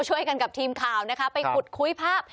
ช่วยกันกับทีมข่าวนะคะไปขุดคุยภาพ